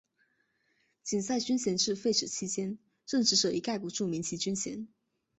仅在军衔制废止期间任职者一概不注明其军衔。